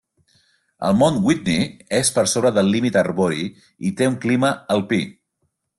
El mont Whitney és per sobre del límit arbori i té un clima alpí.